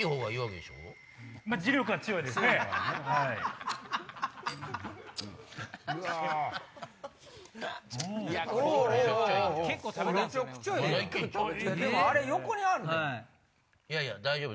でもあれ横にあるで。